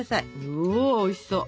うわおいしそう！